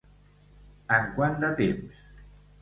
En quant de temps?